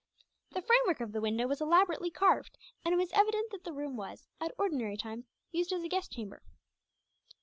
The framework of the window was elaborately carved, and it was evident that the room was, at ordinary times, used as a guest chamber.